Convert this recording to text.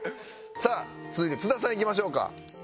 さあ続いて津田さんいきましょうか。